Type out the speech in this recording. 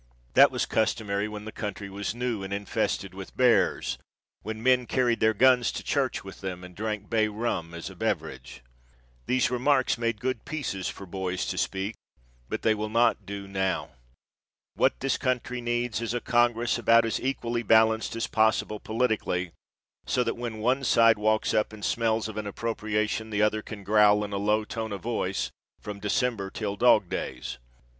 That was customary when the country was new and infested with bears; when men carried their guns to church with them and drank bay rum as a beverage. These remarks made good pieces for boys to speak, but they will not do now. What this country needs is a congress about as equally balanced as possible politically, so that when one side walks up and smells of an appropriation the other can growl in a low tone of voice, from December till dog days.